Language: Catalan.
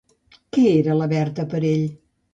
Què era la Berta per a ell?